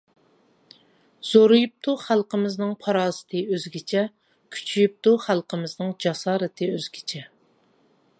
زورىيىپتۇ خەلقىمىزنىڭ پاراسىتى ئۆزگىچە، كۈچىيىپتۇ خەلقىمىزنىڭ جاسارىتى ئۆزگىچە.